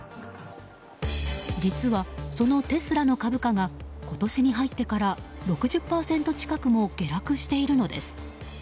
実は、そのテスラの株価が今年に入ってから６０％近くも下落しているのです。